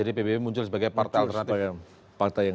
jadi pbb muncul sebagai partai alternatif